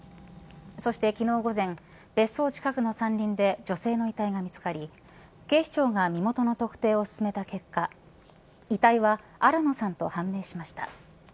そして昨日午前、別荘近くの山林で女性の遺体が見つかり警視庁が身元の特定を進めた結果遺体は新野さんと判明しました。